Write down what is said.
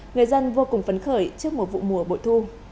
người dân vô cùng phấn khởi trước một vụ mùa bội thu